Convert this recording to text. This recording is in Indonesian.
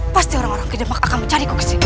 pasti orang orang kedemak akan mencari kok kesini